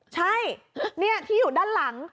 ใช่นี่ที่อยู่ด้านหลัง